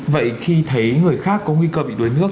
vậy khi thấy người khác có nguy cơ bị đuối nước